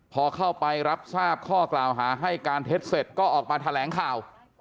พอเข้าไปรับทราบข้อกล่าวหาให้การเท็จเสร็จก็ออกมาแถลงข่าว